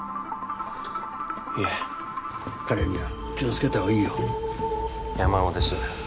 いえ彼には気をつけた方がいいよ山尾です